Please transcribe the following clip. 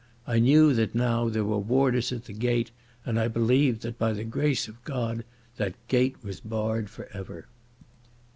I knew that now there were warders at the gate, and I believed that by the grace of God that gate was barred for ever.